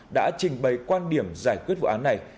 đã trình bày quan điểm giải quyết vụ án này